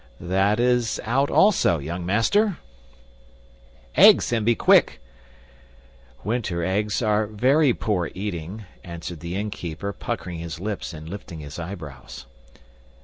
"That is out also, young master." "Eggs, and be quick." "Winter eggs are VERY poor eating," answered the innkeeper, puckering his lips and lifting his eyebrows.